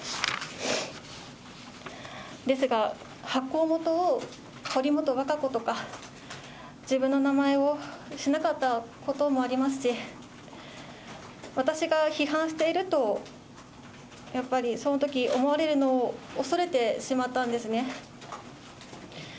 ですが、発行元を堀本和歌子とか、自分の名前をしなかったこともありますし、私が批判していると、やっぱり、そのとき思われるのを恐れてしまったんですね。